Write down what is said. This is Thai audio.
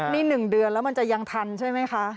นี่๑เดือนแล้วมันจะยังทันใช่ไหมคะ